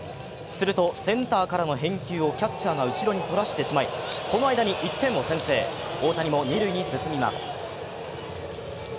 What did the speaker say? すると、センターからの返球をキャッチャーが後ろにそらしてしまいこの間に１点を先制、大谷も二塁に進みます。